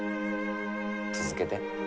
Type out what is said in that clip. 続けて。